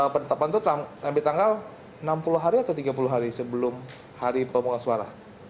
penetapan itu sampai tanggal enam puluh hari atau tiga puluh hari sebelum hari pemungutan suara